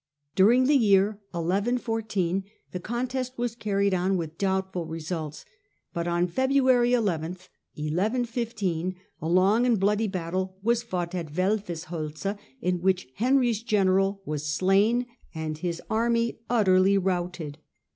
During the year 1114 the contest was car ried on with doubtful results, but on February 11, 1115, a long and bloody battle was fought at Welfesholze, in which Henry's general was slain and his army utterly routed.